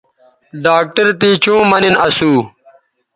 ڈاکٹر تے چوں مہ نین اسو